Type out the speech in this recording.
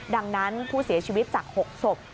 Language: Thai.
ดังนั้นผู้เสียชีวิตจาก๖ศพ